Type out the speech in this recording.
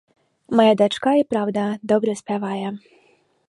Мая дачка, і праўда, добра спявае.